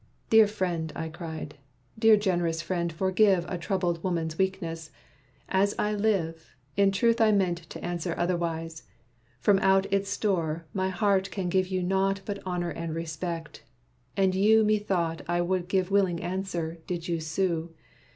"Dear friend," I cried, "Dear generous friend forgive A troubled woman's weakness! As I live, In truth I meant to answer otherwise. From out its store, my heart can give you naught But honor and respect; and yet methought I would give willing answer, did you sue.